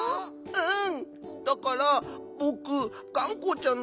うん！